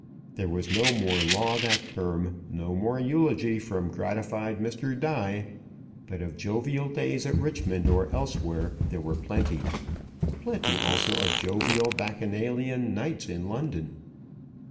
There was no more law that term; no more eulogy from gratified Mr. Die; but of jovial days at Richmond or elsewhere there were plenty; plenty also of jovial Bacchanalian nights in London.